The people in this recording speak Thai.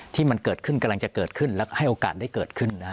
ที่มันเกิดขึ้นกำลังจะเกิดขึ้นแล้วก็ให้โอกาสได้เกิดขึ้นนะฮะ